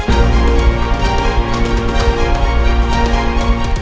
balikin satu tangan bunda aku